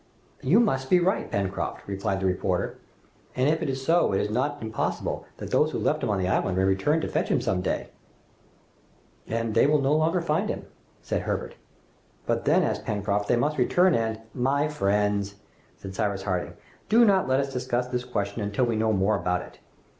"You must be right, Pencroft," replied the reporter, "and if it is so it is not impossible that those who left him on the island may return to fetch him some day!" "And they will no longer find him," said Herbert. "But then," added Pencroft, "they must return, and " "My friends," said Cyrus Harding, "do not let us discuss this question until we know more about it.